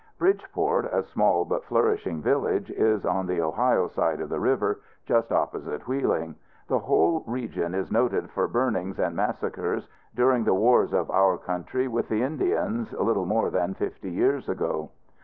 Bridgeport, a small but flourishing village, is on the Ohio side of the river, just opposite Wheeling. This whole region is noted for burnings and massacres, during the wars of our country with the Indians little more than fifty years ago.